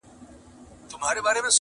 اوس هغه ښکلی کابل-